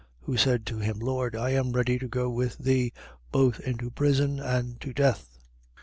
22:33. Who said to him: Lord, I am ready to go with thee, both into prison and to death.